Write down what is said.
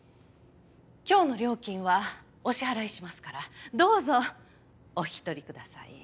今日の料金はお支払いしますからどうぞお引き取りください。